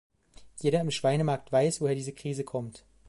Jeder im Schweinemarkt weiß, woher diese Krise kommt.